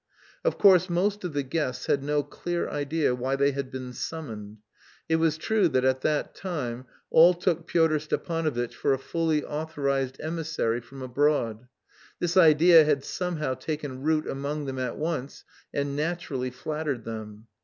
Of course most of the guests had no clear idea why they had been summoned. It was true that at that time all took Pyotr Stepanovitch for a fully authorised emissary from abroad; this idea had somehow taken root among them at once and naturally flattered them.